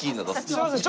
すいません